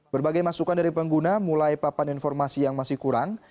berbagai masukan dari pengguna mulai papan informasi yang masih kurang